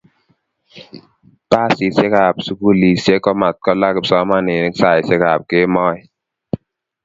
Basisyekab sugulisyek komatkolaa kipsomaninik saisyekab kemboi.